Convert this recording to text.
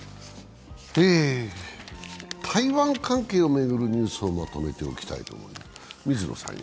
台湾関係を巡るニュースをまとめておきます。